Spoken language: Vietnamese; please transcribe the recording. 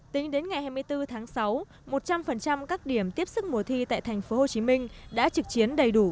tính đến ngày hai mươi bốn tháng sáu một trăm linh các điểm tiếp sức mùa thi tại tp hcm đã trực chiến đầy đủ